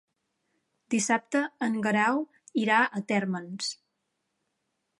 Dissabte en Guerau irà a Térmens.